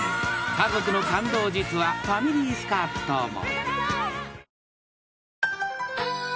家族の感動実話ファミリースカッとも］